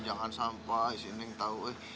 jangan sampai si neng tahu eh